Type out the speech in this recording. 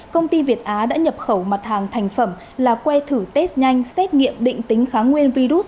công ty việt á đã nhập khẩu mặt hàng thành phẩm là que thử test nhanh xét nghiệm định tính kháng nguyên virus